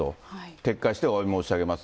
撤回しておわび申し上げます。